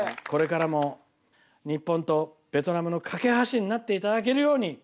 これからも日本とベトナムの懸け橋になって頂けるように。